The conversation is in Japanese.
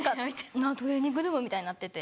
トレーニングルームみたいになってて。